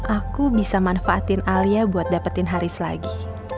aku bisa manfaatin alia buat dapetin haris lagi